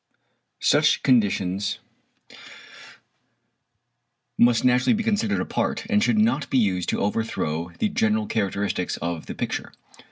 Such conditions must naturally be considered apart, and should not be used to overthrow the general characteristics of the picture.